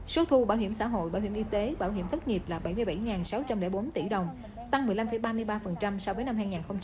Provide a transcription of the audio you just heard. số thu bảo hiểm xã hội bảo hiểm y tế bảo hiểm thất nghiệp là bảy mươi bảy sáu trăm linh bốn tỷ đồng tăng một mươi năm ba mươi ba so với năm hai nghìn một mươi chín